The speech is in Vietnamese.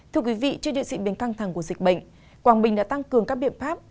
thưa quý vị trước điều trị bình căng thẳng của dịch bệnh quảng bình đã tăng cường các biện pháp